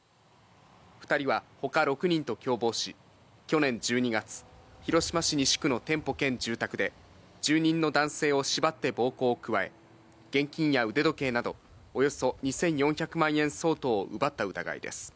２人はほか６人と共謀し、去年１２月、広島市西区の店舗兼住宅で、住人の男性を縛って暴行を加え、現金や腕時計などおよそ２４００万円相当を奪った疑いです。